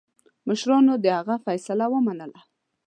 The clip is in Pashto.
مشرانو د هغه فیصله ومنله.